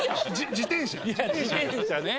自転車ね。